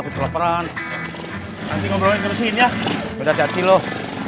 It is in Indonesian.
berapa perang nanti ngomongin terusin ya berhati hati loh